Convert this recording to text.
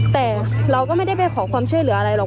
แต่เราก็ไม่ได้ไปขอความช่วยเหลืออะไรหรอก